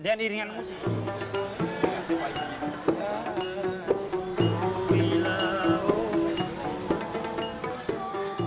dengan iringan musik